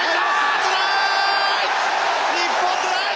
トラーイ！